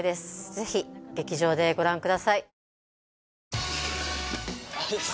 ぜひ劇場でご覧くださいあざす！